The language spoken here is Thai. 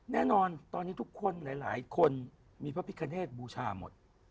แน่นอนตอนนี้ทุกคนหลายคนมีพระพิคเนตบูชาหมด